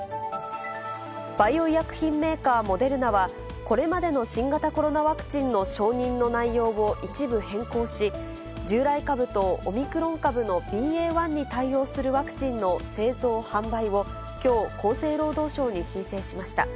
バイオ医薬品メーカー、モデルナは、これまでの新型コロナワクチンの承認の内容を一部変更し、従来株とオミクロン株のＢＡ．１に対応するワクチンの製造・販売をきょう、厚生労働省に申請しました。